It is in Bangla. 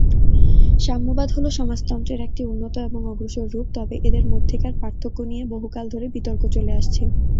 সাম্যবাদ হল সমাজতন্ত্রের একটি উন্নত এবং অগ্রসর রূপ, তবে এদের মধ্যেকার পার্থক্য নিয়ে বহুকাল ধরে বিতর্ক চলে আসছে।